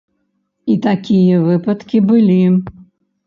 І такія выпадкі былі.